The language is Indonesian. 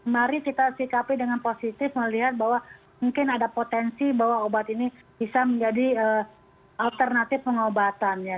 mari kita sikapi dengan positif melihat bahwa mungkin ada potensi bahwa obat ini bisa menjadi alternatif pengobatan ya